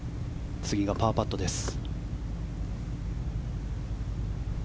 次がパーパットです。